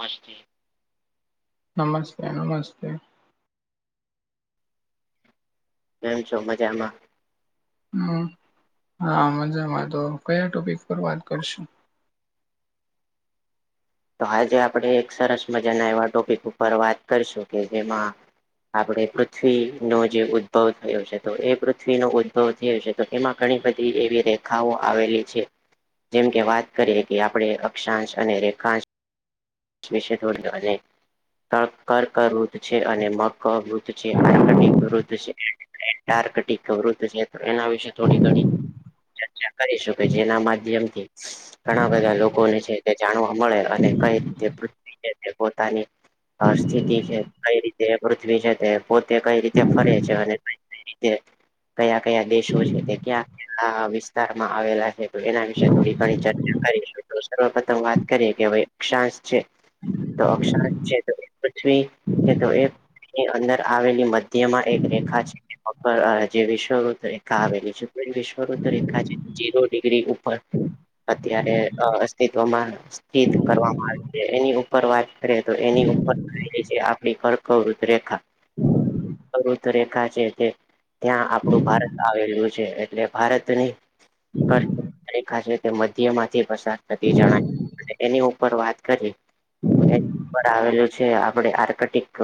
મી [unintelligible] નમસ્તે નમસ્તે. કેમ છો મજામાં? હમ. હા મજામાં તો કયા ટોપિક પર વાત કરશું? તો આજે આપણે એક સરસ મજા ના એવા ટોપિક ઉપર વાત કરીશું કે જેમાં. આપડ પૃથ્વીનો જે ઉદ્ભવ થયો છે તો એ પૃથ્વીનો ઉદ્વ થયો છે. તો એમાં ઘણી બધી એવી રેખાઓ આવેલી છે. જેમકે વાત કરીએ કે આપડે અક્ષાંશ અને રેખાંશ મેશે ઉડ અને કર્રવૃત છે અને મકરવૃત છે આકટિકવૃત છે. ટાર્કટ વૃધ છે એના વિશે થોડી ઘણી ચર્ચા કરી શકે છે એના માધ્યમથી ઘણા બધા લોકોને છે તે જાણવા મળે અને કઈ રીતે પૃ છે તે પોતાની. સ્થિતિ છે કઈ રીતે પૃથ્વી છે તે પોતે કઈ રીતે ફરે છે અને કઈ રિતે કયા કયા દેશો છે તે ક્યાં વિસ્તારમાં આવેલા છે એના વિશે થોડી ઘણી ચર્ચા કરી તો સર્વપથમ વાત કરીએ હવે અક્ષાશ છે તો અક્ષાંશ છે તો એ પૃથ્વી છે તો એ ની અંદર આવેલી મધ્યમાં એક રેખા છે. જે વિશ્વૃત રેખા આવેલી છે વિશ્વૃત રેખા જે. જીરો ડિગ્રી ઉપર અત્યારે અસ્તિત્વમાં સ્થિત કરવામાં આવે એની ઉપર વાત કરી તો એની ઉપર કરેલી છે આપડી કરકવૃત રેખા સવુત રેખા છે તે. ત્યાં આપણું ભારત આવેલું છે એટલે ભારતને મધ્યમાંથી પરસાદ થતી જણાય એની ઉપર વાત કરી એની આવેલું છે આપડ આર્કટક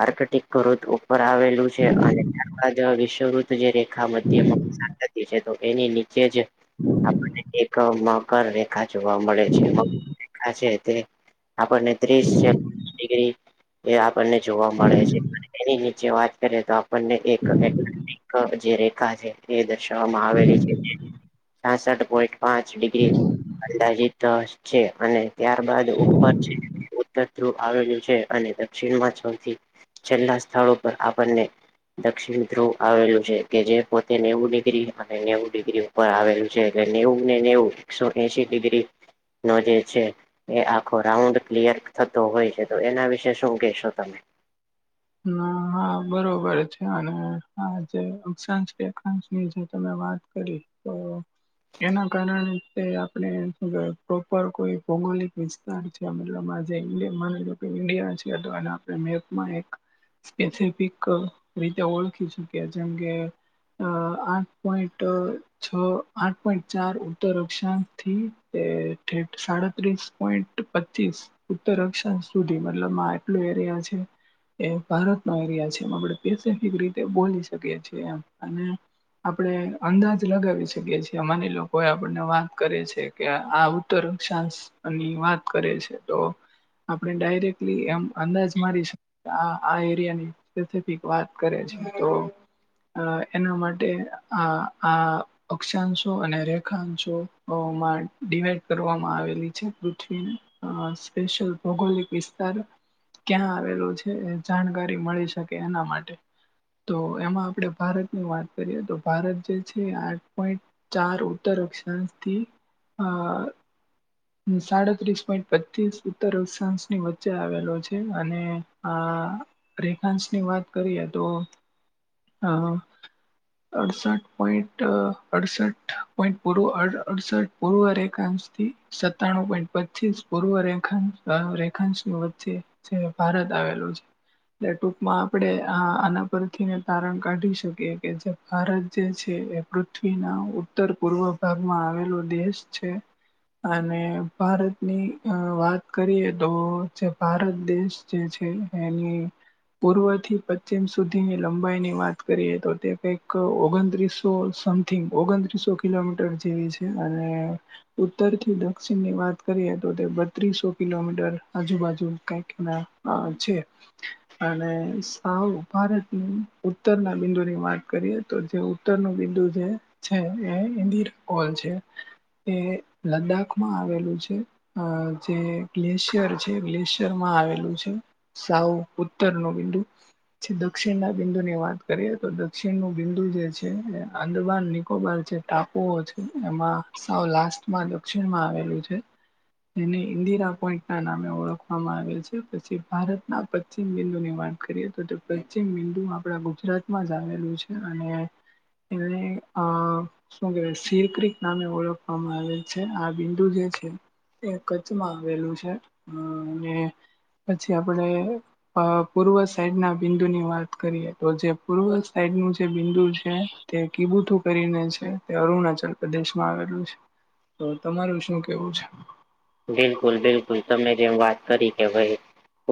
આ ઉપર આવેલું છે અને ત્યારબદ વિશ્વવત જે રેખા મધ્યમાં. છે તો એની નીચે જે આપણને એક મકર રેખા જોવા મળે છે મ છે તે આપણને ત્રીસ છે ડિગ્રી એ આપણને જોવા મળે છે એની નીચે વાત કરીએ તો આપણને એક એ જે રેખા છે એ દર્શાવવામાં આવેલી છે. છાસઠ પોઈન્ટ પાંચ ડિગ્રી અંદાજીત છે. અને ત્યારબાદ ઉપર છે, ઉત્તર ધ્રુવ આવેલું છે અને દક્ષિણમાં સૌથી છેલ્લા સ્થળો ઉપર આપણને દક્ષિણ ધ્રુવ આવેલું છે, કે જે પોતે નેવું ડિગ્રી અને નેવું ડિગ્રી ઉપ આવેલું છે, એટલે નેવું ને નેવું એકસો એશી ડિગ્રી નો જે છે, એ આખો રાઉન્ડ ક્લિયર થતો હોય છે. તો એના વિશે શું કેહેશો તમે? ન હા બરોબર છે, અને આ જે અક્ષાંશ રેખાંશ ની જે તમે વાત કરી તો એના કારણે તે આપણે શુ કેવાય પ્રોપર કોઈ ભૌગોલિક વિ [unintelligible] ઇન્ડિયા છે, અથવા ના આપડે મેપ માં એક. સ્પેસફિક રીતે ઓળખી શકીએ જેમ કે અ આઠ પોઈન્ટ છ, આઠ પોઈન્ટ ચાર ઉત્તર અક્ષાંક થી એ થેટ સાડત્રીસ પોઈન્ટ પચીસ ઉત્તર અક્ષાંશ સુધી, મતલબ મા એટલું એરિયા છે. એ ભારતનો એરિયા છે, એમાં આપણે પેસફિક રીતે બોલી શકીએ છીએ એમ, અને આપણે અંદાજ લગાવી શકીએ છીએ, અમારી લોકો આપણને વાત કરે છે. કે આ ઉત્તર અક્ષાંશ ની વાત કરે છે તો આપણે ડાયરેક્ટલી એમ અંદાજ મારી શક આ આ એરિયાની સ્પેફિક વાત કરે છે તો અ એના માટે આ આ અક્ષાંશો અને રેખાંશો ઓમાં ડિવાઈડ કરવામાં આવેલી છે પૃથ્વીને. અ સ્પેશિયલ ભૌગોલિક વિસ્તાર ક્યાં આવેલો છે. એ જાણકારી મળી શકે એના માટે. તો એમાં આપણે ભારતની વાત કરીએ, તો ભારત જે છે આઠ પોઈન્ટ ચાર ઉત્તર અક્ષાંશ થી આ સાડત્રીસ પોઈન્ટ પચીસ ઉત્તર ઉષાંશ ની વચ્ચે આવેલો છે. અને આ રેખાંશ ની વાત કરીએ તો, અ અડસઠ પોઈન્ટ, અડસઠ પોઈન્ટ પૂર અડ અડસઠ પૂર્વ રેખાંસ્થી સત્તાણું પોઈન્ટ પચીસ પૂર્વ રખાંશ અ રેખાંશની વચ્ચે. છે ભારત આવેલું છે. એ ટૂકમાં આપડે આ આના પરથીને તારણ કાઢી શકીએ, કે જે ભારત જે છે એ પૃથ્વી ના ઉત્તર પૂર્વ ભાગમાં આવેલો દેશ છે. અને ભારતની અ વાત કરીએ તો, જે ભારત દેશ જે છે એની પૂર્વ થી પશ્ચિમ સુધીની લંબાઈની વાત કરીએ, તો તે કંઈક ઓગણત્રીસો સમ થિંગ ઓગણત્રીસો કિલોમીટર જેવી છે, અને ઉત્તર થી દક્ષિણ ની વાત કરીએ તો તે બત્રીસો કિલોમીટર આજુબાજુ કક ના આ છે. અને સાવ ભારતની ઉત્તરના બિંદુ ની વાત કરીએ તો જેવુ ઉત્તર નું બિંદુ જે છે એ ઇન્ડી કોલ છે, એ લદ્દાખ માં આવેલું છે. અ જે ગ્લેશિયર છે, ગ્લેશિયર માં આવેલું છે. સાવ ઉત્તર નો બિંદુ. પછી દક્ષિણ ના બિંદુ ની વાત કરીએ, તો દક્ષિણ નું બિંદુ જે છે આંદમાન નિકોબાર છે. ટાપુઓ છે, એમાં સાવ લાસ્ટમાં દક્ષિણમાં આવેલું છે. તેને ઈન્દિરા પોઈન્ટ ના નામે ઓળખવામાં આવેલ છે, પછી ભારતના પ પશ્ચિમ બિંદુ ની વાત કરીએ, તો તે પશ્ચિમ બિંદુ આપણા ગુજરાતમાં જ આવેલું છે. અને એને આ શું કેહેવાય સીરકરીક નામે ઓળખવામાં આવે. છે, આ બિંદુ જે છે, એ કચ્છમાં આવેલું છે. અ અને પછી આપડે અ પૂર્વ સાઈડ ના બિંદુ ની વાત કરીએ, તો જે પૂર્વ સાઈડ નું જે બિંદુ છે. તે કીબુતું કરીને છે તે અરુણાચલ પ્રદેશ માં આવેલું છે. તો તમારું શું કેવું છે? બિલકુલ બિલકુલ તમે જેમ વાત કરી કે ભઈ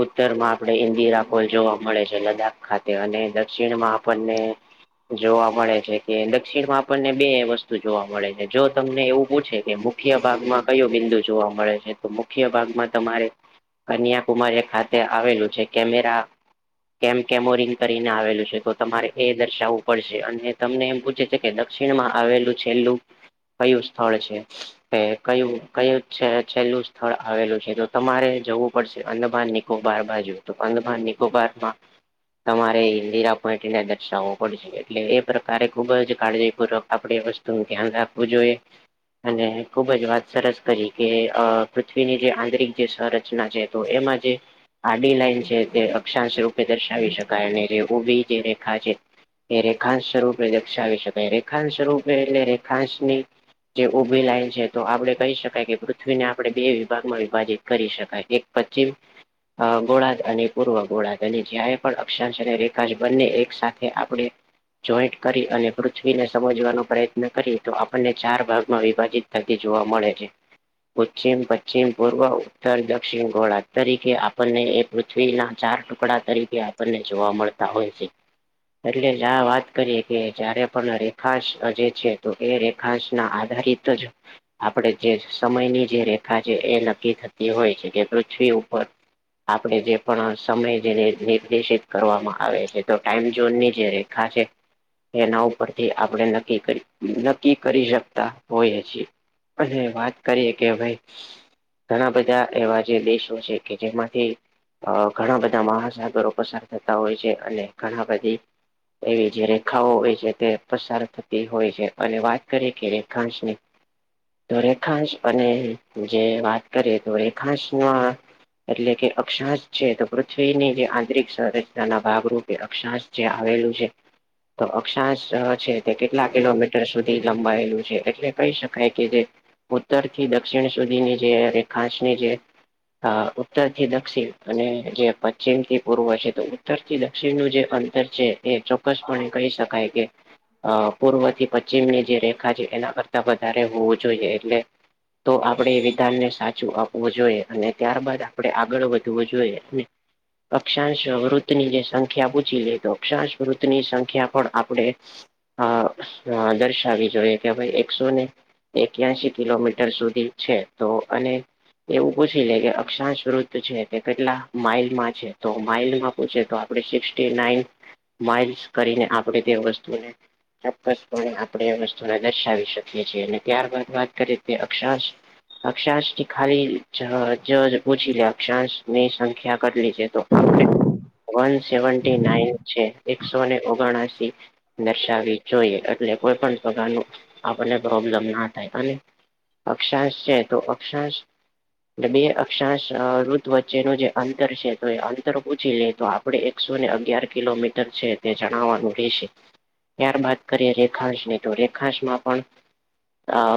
ઉત્તર માં આપણે ઇન્દિરા કોલ જોવા મળે છે લદ્દાખ ખાતે અને દક્ષિણમાં આપણને જોવા મળે છે કે દક્ષિણમાં આપણને બે વસ્તુ જોવા મળે છે જો તમને એવું પૂછે કે મુખ્ય ભાગમાં કયું બિંદુ જોવા મળે છે, તો મુખ્ય ભાગમાં તમારે કન્યાકુમારી ખાતે આવેલું છે કેમેરા કેમ કેમોરિંગ કરીને આવેલું છે તો તમારે એ દર્શાવવું પડશે અને તમને એમ પૂછે કે દક્ષિણમાં આવેલું છેલ્લું કયું સ્થળ છે કે કયું કયું છે છેલ્લું સ્થળ આવેલું છે તો તમારે જવું પડશે અન્દમાન નિકો બાર બાજુ. તો અંદમાનીકોબાર માં તમારે ઇન્દિરા પોઈન્ટને દર્શાવવો પડશે એટલે એ પ્રકારે ખુબ જ કાળજીપૂર્વક આપણે વ સ્તુ ધ્યાન રાખવું જોઈએ અને ખુબ જ વાત સરસ કરી. કે પૃથ્વીની જે આંતરિક જે સંરચના છે તો એમાં જે આડી લાઈન છે તે અક્ષાંશ રૂપે દર્શાવી શકાય અને જે ઉભી જે રેખા છે એ રેખાંશ સ્વરૂપે દર્શાવી શકાય. રેખાંશ સ્વરૂપે એટલે રેખાંશની જે ઉભી લાઈન છે તો આપડે કહી શકાય કે પૃથ્વીને આપણે બે વિભાગમાં વિભાજીિત કરી શકાય એક પ્ચીમ ગોળાદ અને પૂર્વ ગોળાદ અને જ્યારે પણ અક્ષાંશ અને રેખાશ બંને એક સાથે આપણે જોઈન્ટ કરી અને પૃથ્વીને સમજવાનો પ્રયત્ન કરીએ તો આપણને ચાર ભાગમાં વિભાજીત થતી જોવા મળે છે. પશ્ચિમ, પશ્ચિમ, પૂર્વ, ઉત્તર, દક્ષિણ ઘોળદ તરીકે આપણને એક પૃથ્વીના ચાર ટુકડા તરીકે આપણને જોવા મળતા હોય છે. એટલે જ આ વાત કરીએ કે જયારે પણ રેખાંશ જે છે તો એ રેખાંશ ના આધારિત તજ આપડે જે સમયની જે રેખા છે એ નક્કી થતી હોય છે કે પૃથ્વી ઉપર આપણે જે પણ સમય જે નિર્દેશિત કરવામાં આવે છે તો, ટાઈમ ઝોન ની જે હા છે. એના ઉપરથી આપણે નક્કી કરી, નક્કી કરી શકતા હોઈ છીએ. અને વાત કરીએ કે ભાઈ ઘણા બધા એવા જે દેશો છે. કે જેમાંથી અ ઘણા બધા મહાસાગરો પસાર થતા હોય છે. અને ઘણા બધી એવી જે રેખાઓ હોય છે. તે પસાર થતી હોય છે. અને વાત કરી કે રેખાંશ ની તો રેખાંશ અને જે વાત કરીએ તો રેખાંશમાં એટલે કે અક્ષાશ છે. તો પૃથ્વીની જે આંતરિક સંરચના ના ભાગરૂપે અક્ષાશ જે આવેલું છે. તો અક્ષાશ છે તે કેટલા કિલોમીટર સુધી લંબાયેલું છે. એટલે કહી શકાય કે જે ઉત્તર થી દક્ષિણ સુધીની જે રેખાસની જે હા ઉત્તર થી દક્ષિણ અને જે પશ્ચિમ થી પૂર્વ છે. તો ઉત્તર થી દક્ષિણનું જે અંતર છે, એ ચોક્કસપણે કહી શકાય કે અ પૂર્વ થી પશ્ચિમ ની જે રેખા છે, એના કરતા વધારે હોવું જોઈએ. એટલે તો આપણે વિધાનને સાચું આપવું જોઈએ અને ત્યારબાદ આપણે આગળ વધવું જોઈએ અને અક્ષાંશ વૃતની જે સંખ્યા પૂછી લઈ તો, અક્ષાંશ વૃતની સંખ્યા પણ આપણે આ દર્શાવી જોઈએ. કે ભઈ એકસો ને એક્યાસી કિલોમીટર સુધી છે તો અને એવું પૂછી લે કે અક્ષાશ વૃત છે. તે કેટલા માઇલમાં છે તો માઇલમાં પૂછે તો આપડે સિક્સટી નાઈન માઇલ્સ કરીને આપડે તે વસ્તુને.. ચોક્કસપણે આપણે એ વસ્તુને દર્શાવી શકી છીએ અને ત્યારબાદ વા કરી તી અક્ષાશ અક્ષાંશ થી ખાલી જ જ પૂછી લે, અક્ષાંશ ની સંખ્યા કેટલી છે તો આપડે વન સેવન્ટી નાઈન છે. એકસોને ઓગણાસી. દર્શાવી જોઈએ. એટલે કોઈ પણ પગાર નુ આપને પ્રોબ્લેમ ના થાય અને અક્ષાંશ સે તો, અક્ષાંશ... એટ બે અક્ષાંશ અ ઋત વચ્ચેનુ જે અંતર સે, તો એ અંતર પૂછી લે તો આપ આપડે એકસો ને અગિયાર કિલોમીટર છે. તે જણાવવાનુ રેશે. ત્યારબાદ કરીએ રેખાંશ ની તો, રેખાંશમા પણ..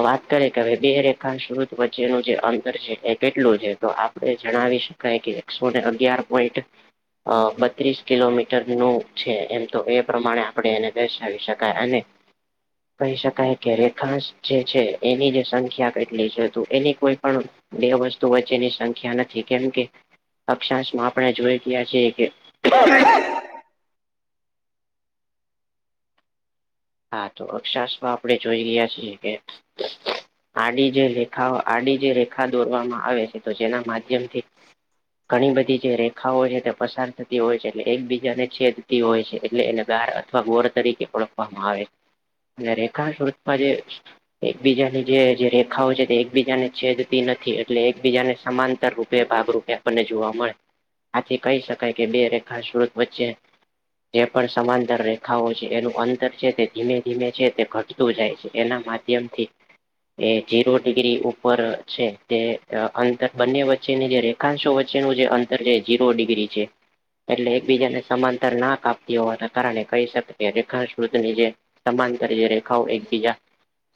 વાત કરે કવે બે રેખાંશ ઋત વચ્ચેનુ જે અંતર છે. એ કેટલું છે? તો આપણે જણાવીશ... કઈક એકસો ને અગિયાર પોઈટ. અ બત્રીસ કિલોમીટર નું છે. એમ તો એ પ્રમાણે આપણે એને દર્શાવી શ ક અને કહી શકાય કે રેખાશ જે છે. એની જે સંખ્યા કેટલી છે. તો એની કોઈ પણ બે વસ્તુ વચ્ચેની સંખ્યા નથી. કેમ કે અક્ષાશમાં આપણે જોઈ ગીયા કે કે.. [inaudible] હા તો અક્ષાશ આપડે જોઈ ગીયા સી એ આડી જે લેખા આડી જે રેખા દોરવામા આવે સે. તો જેના માધ્યમથી ઘણી બધી જે રેખાઓ જે તે પસાર થતી હોય છે. એટલે એકબીજાને છેદ તી હોય સે એટલે એને દાર અથવા ગોર તરીકે ઓળખવા માવે. ને રેખાંશ ઋતુમાં જે... એકબીજાની જે જે રેખાઓ છે તે એકબીજા ને છેદતી નથી, એટલે એકબીજાને સમાંતર રૂપ બે ભાગરૂપે આપને જોવા મળે. આથી કહી શકાય કે, બે રેખા સ્રોત વચ્ચે જે પણ સમાંટર રેખાઓ છે. એનું અંતર છે. તે ધીમે ધીમે છે તે ખચતું જાય છે. એના માધ્યમથી એ જીરો ડિગ્રી ઉપર છે. તે અંતર બંને વચ્ચેની જે રે આાંશો વચ્ચે નુ જે અંતર જે જીરો ડિગ્રી ચે. એટલે એકબીજાને સમાંતર ના કાપતી હોવાના કારણે કહી શ [unintelligible] ઋતની જે સમાનતરીય રેખાઓ એકબીજા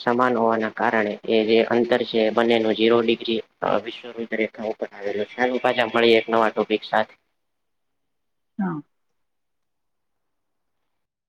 છમાન હોવાના કારણે એ જે અંતર સે બનેનો જીરો ડિગ્રી અ વિશ. [inaudible] હાનુ પાછા મળીએ એક નવા ટોપિક સાથે. હ